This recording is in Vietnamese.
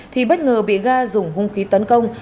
thì bất ngờ bị ga dùng hung khí tấn công